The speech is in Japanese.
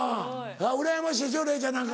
うらやましいでしょれいちゃんなんか。